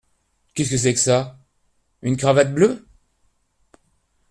Qu’est-ce que c’est que ça ? une cravate bleue !